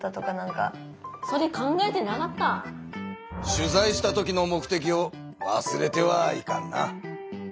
取材したときの目てきをわすれてはいかんな。